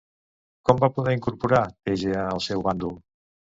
Com va poder incorporar Tegea al seu bàndol?